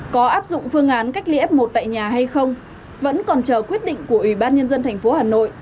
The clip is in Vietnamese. có áp dụng phương án cách ly f một tại nhà hay không vẫn còn chờ quyết định của ủy ban nhân dân thành phố hà nội